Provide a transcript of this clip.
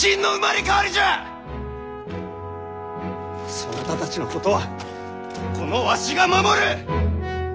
そなたたちのことはこのわしが守る！